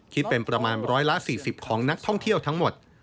คิดเป็นประมาณร้อยละสี่สิบของนักท่องเที่ยวทั้งหมด